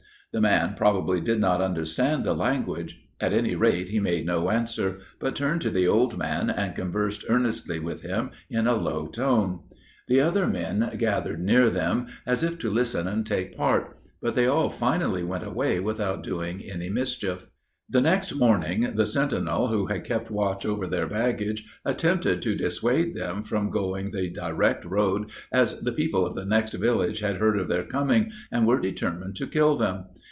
The man probably did not understand the language: at any rate, he made no answer, but turned to the old man, and conversed earnestly with him in a low tone. The other men gathered near them, as if to listen and take part. But they all finally went away without doing any mischief." The next morning the sentinel who had kept watch over their baggage attempted to dissuade them from going the direct road, as the people of the next village had heard of their coming, and were determined to kill them.